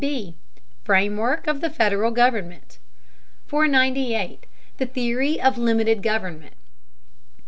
B. FRAMEWORK OF THE FEDERAL GOVERNMENT 498. THE THEORY OF LIMITED GOVERNMENT.